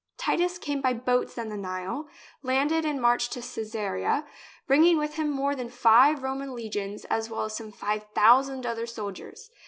Titus, came by boats on the Nile, landed and marched to Cesarea, bringing with him more than five Roman legions as well as some five thousand other soldiers.